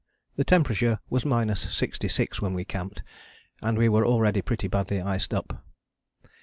The temperature was 66° when we camped, and we were already pretty badly iced up.